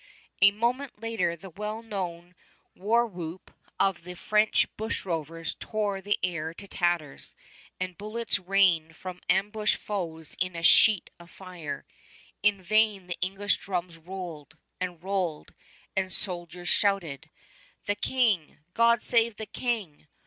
A moment later the well known war whoop of the French bushrovers tore the air to tatters; and bullets rained from ambushed foes in a sheet of fire. In vain the English drums rolled ... and rolled ... and soldiers shouted, "The King! God save the King!"